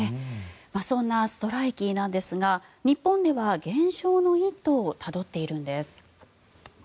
そんなストライキなんですが日本では減少の一途をたどっているんです。